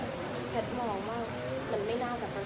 มันก็จะมีพวกนักเรียงทีบอตเรียนมาต่างมาคอมเม้นต์